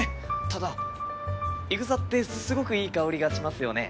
ただイ草ってすごくいい香りがしますよね。